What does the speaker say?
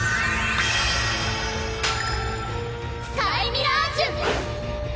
スカイミラージュ！